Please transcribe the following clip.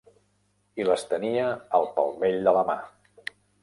I les tenia al palmell de la mà.